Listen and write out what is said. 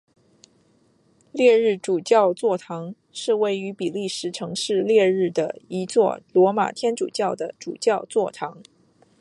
列日主教座堂是位于比利时城市列日的一座罗马天主教的主教座堂。